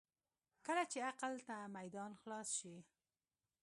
کله چې عقل ته میدان خلاص شي.